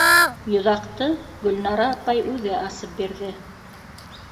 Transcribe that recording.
Йоҙаҡты Гөлнара апай үҙе асып бирҙе.